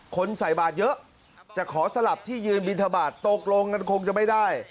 ใส่บาทเยอะจะขอสลับที่ยืนบินทบาทตกลงกันคงจะไม่ได้